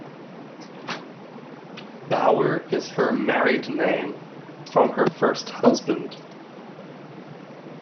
Bauer is her married name, from her first husband.